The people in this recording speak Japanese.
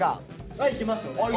はいいきます。